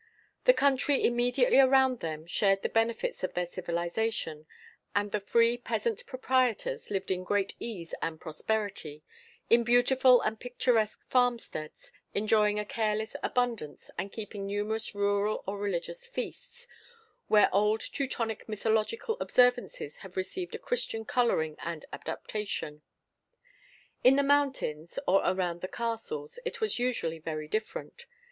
The country immediately around them shared the benefits of their civilization, and the free peasant proprietors lived in great ease and prosperity, in beautiful and picturesque farmsteads, enjoying a careless abundance, and keeping numerous rural or religious feasts, where old Teutonic mythological observances had received a Christian colouring and adaptation. In the mountains, or around the castles, it was usually very different.